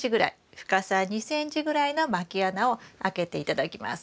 深さ２ｃｍぐらいのまき穴を開けて頂きます。